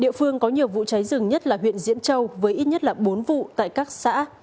địa phương có nhiều vụ cháy rừng nhất là huyện diễn châu với ít nhất là bốn vụ tại các xã